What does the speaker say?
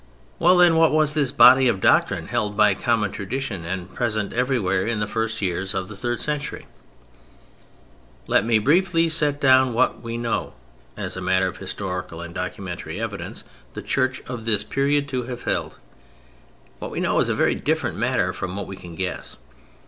Well, then, what was this body of doctrine held by common tradition and present everywhere in the first years of the third century? Let me briefly set down what we know, as a matter of historical and documentary evidence, the Church of this period to have held. What we know is a very different matter from what we can guess.